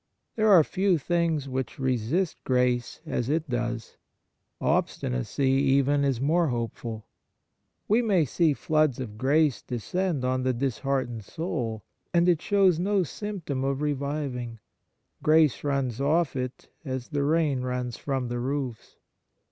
There are few things which resist grace as it does. Obstinacy, even, is more hopeful. We may see floods of grace descend on the disheartened soul, and it shows no symp tom of reviving. Grace runs off it as the rain runs from the roofs.